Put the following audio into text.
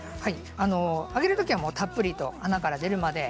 あげるときはたっぷりと穴から出るまで。